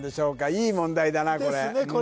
いい問題だなこれですね